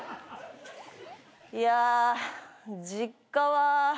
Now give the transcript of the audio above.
いや実家は。